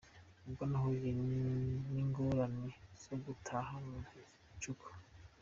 Ubwo nahuye n’ingorane zo gutaha mu gicuku.